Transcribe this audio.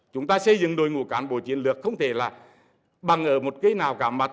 chúng ta xây dựng đội ngũ cán bộ chiến lược không thể là bằng ở một cái nào cả mặt